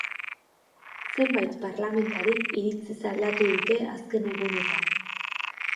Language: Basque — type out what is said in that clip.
Zenbait parlamentarik iritziz aldatu dute azken egunetan.